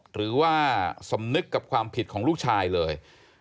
หรือว่าสำนึกกับความผิดของลูกชายเลย